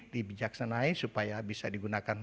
dibijaksanai supaya bisa digunakan